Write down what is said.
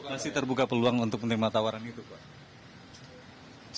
masih terbuka peluang untuk menerima tawaran itu pak